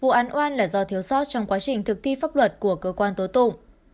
vụ án oan là do thiếu sót trong quá trình thực thi pháp luật của cơ quan tố tụng